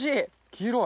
黄色い。